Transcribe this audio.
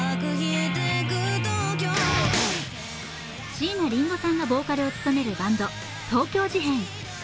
椎名林檎さんがボーカルを務めるバンド、東京事変。